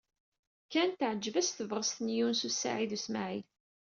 Ken teɛjeb-as tebɣest n Yunes u Saɛid u Smaɛil.